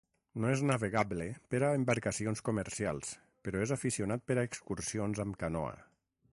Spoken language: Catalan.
No és navegable per a embarcacions comercials, però és aficionat per a excursions amb canoa.